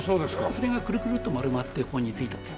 それがクルクルッと丸まってここについたという。